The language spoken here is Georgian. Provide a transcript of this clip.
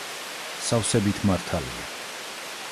სავსებით მართალია.